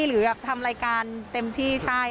หรือแบบทำรายการเต็มที่ใช่